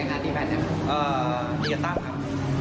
เอ่อตีกับตั้มค่ะ